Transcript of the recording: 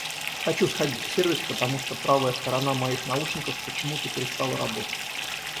Хочу сходить в сервис, потому что правая сторона моих наушников почему-то перестала работать.